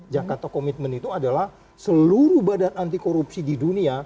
jakarta commitment itu adalah seluruh badan anti korupsi di dunia